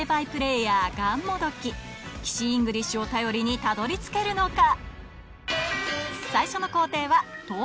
イングリッシュを頼りにたどり着けるのか